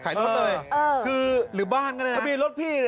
ขายรถอะไรคือหรือบ้านก็ได้นะถ้าเกิดทะเบียนรถพี่